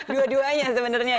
dua duanya sebenarnya ya